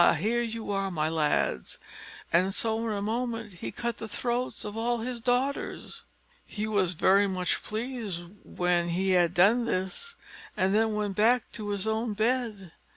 here you are, my lads:" and so in a moment he cut the throats of all his daughters. He was very much pleased when he had done this, and then went back to his own bed.